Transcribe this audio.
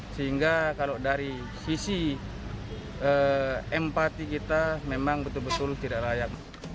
sehingga kalau dari sisi empati kita memang betul betul tidak layak